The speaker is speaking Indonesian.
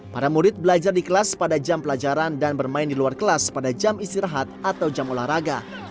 para murid belajar di kelas pada jam pelajaran dan bermain di luar kelas pada jam istirahat atau jam olahraga